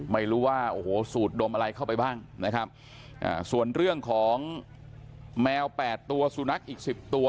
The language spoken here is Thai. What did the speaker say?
ไม่รู้ว่าสูตรดมอะไรเข้าไปบ้างส่วนเรื่องของแมว๘ตัวสุนัขอีก๑๐ตัว